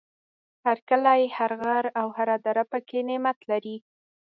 هر کلی، هر غر او هر دره پکې نعمت لري.